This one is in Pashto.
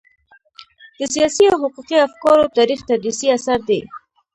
د سياسي او حقوقي افکارو تاریخ تدريسي اثر دی.